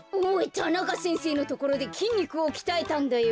田中先生のところできんにくをきたえたんだよ。